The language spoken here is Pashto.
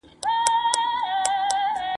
زما سندره تر قیامته له جهان سره پاییږی ..